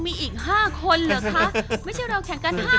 ซุปไก่เมื่อผ่านการต้มก็จะเข้มขึ้น